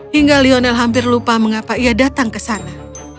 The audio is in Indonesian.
hingga lionel hampir lupa mengapa ia datang ke sana